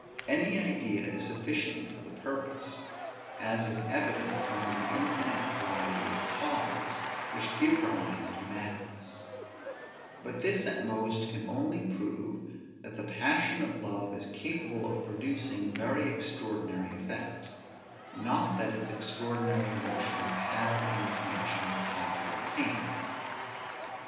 Any idea is sufficient for the purpose, as is evident from the infinite variety of causes, which give rise to madness: but this at most can only prove, that the passion of love is capable of producing very extraordinary effects, not that its extraordinary emotions have any connection with positive pain.